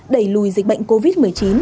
đẩy lùi dịch bệnh covid một mươi chín